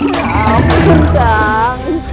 ya ampun kang